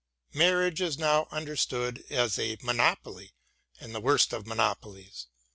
... Marriage, as now understood, is a monopoly, and the worst of monopolies.